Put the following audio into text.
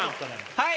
はい。